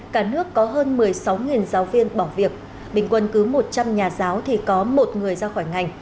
cả nước có hơn một mươi sáu giáo viên bỏ việc bình quân cứ một trăm linh nhà giáo thì có một người ra khỏi ngành